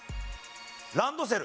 ランドセル。